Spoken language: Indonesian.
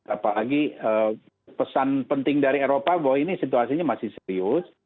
apalagi pesan penting dari eropa bahwa ini situasinya masih serius